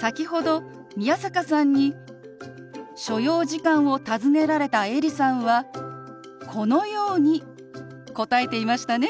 先ほど宮坂さんに所要時間を尋ねられたエリさんはこのように答えていましたね。